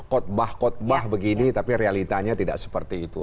kotbah kotbah begini tapi realitanya tidak seperti itu